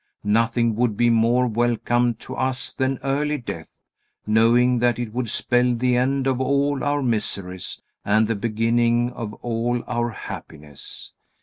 Nothing would be more welcome to us than early death, knowing that it would spell the end of all our miseries and the beginning of all our happiness.